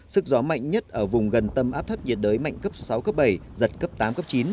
sức gió mạnh nhất ở vùng gần tâm áp thấp nhiệt đới mạnh cấp sáu cấp bảy giật cấp tám cấp chín